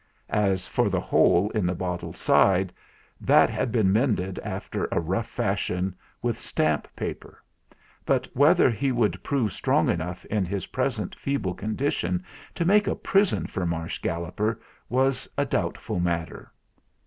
As for the hole in the bottle's side, that had been mended after a rough fashion with stamp paper ; but whether he would prove strong enough in his present feeble condition to make a prison for Marsh Galloper was a doubtful matter.